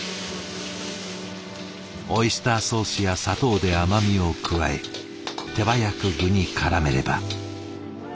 オイスターソースや砂糖で甘みを加え手早く具にからめれば。